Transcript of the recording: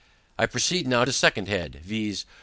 I proceed now to the second head, viz.